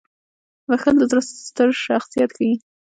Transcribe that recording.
• بخښل د زړه ستر شخصیت ښيي.